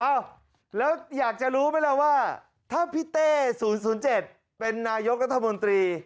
อ้าวแล้วอยากจะรู้ไหมล่ะว่าถ้าพี่เต้๐๐๗เป็นนายกรัฐมนตรี